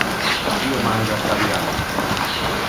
Io mangia caviar.